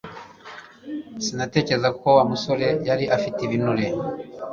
Sinatekerezaga ko Wa musore yari afite ibinure